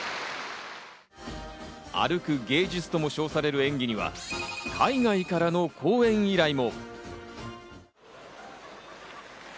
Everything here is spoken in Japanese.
歩く芸術とも称される演技には、海外からの公演依頼も。